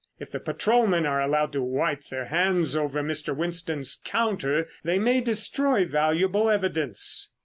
If the patrolmen are allowed to wipe their hands over Mr. Winston's counter they may destroy valuable evidence."